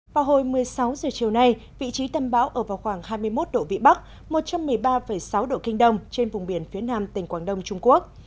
vào hồi một mươi sáu h chiều nay vị trí tâm bão ở vào khoảng hai mươi một độ vĩ bắc một trăm một mươi ba sáu độ kinh đông trên vùng biển phía nam tỉnh quảng đông trung quốc